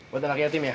buat anak yatim ya